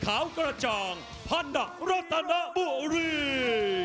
ขาวกระจ่างพันดะรัตนบุรี